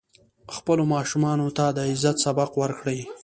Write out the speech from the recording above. خپلو ماشومانو ته د عزت سبق ورکړئ.